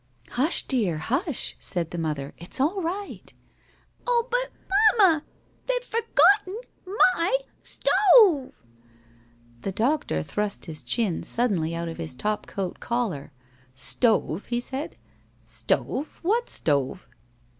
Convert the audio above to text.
"Hush, dear; hush!" said the mother. "It's all right." "Oh, but, mamma, they've forgotten my stove!" The doctor thrust his chin suddenly out of his top coat collar. "Stove?" he said. "Stove? What stove?"